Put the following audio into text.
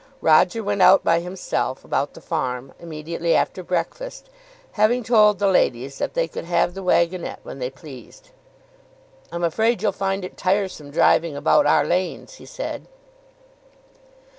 Roger went out by himself about the farm, immediately after breakfast, having told the ladies that they could have the waggonnette when they pleased. "I'm afraid you'll find it tiresome driving about our lanes," he said.